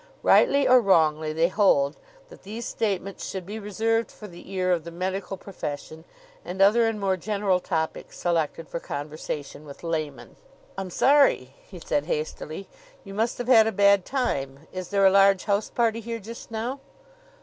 Rightly or wrongly, they hold that these statements should be reserved for the ear of the medical profession, and other and more general topics selected for conversation with laymen. "I'm sorry," he said hastily. "You must have had a bad time. Is there a large house party here just now?"